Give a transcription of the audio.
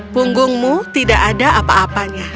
punggungmu tidak ada apa apanya